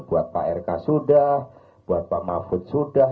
buat pak rk sudah buat pak mahfud sudah